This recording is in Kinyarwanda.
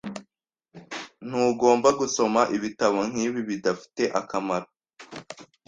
Ntugomba gusoma ibitabo nkibi bidafite akamaro.